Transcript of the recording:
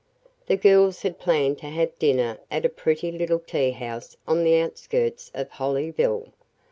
The girls had planned to have dinner at a pretty little tea house on the outskirts of Hollyville.